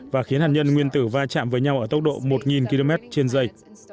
và khiến hạt nhân nguyên tử va chạm với nhau ở tốc độ một km trên giây